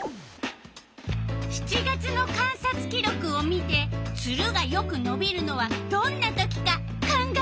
７月の観察記録を見てツルがよくのびるのはどんな時か考えて！